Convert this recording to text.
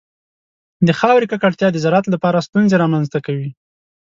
د خاورې ککړتیا د زراعت لپاره ستونزې رامنځته کوي.